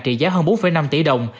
trị giá hơn bốn năm tỷ đồng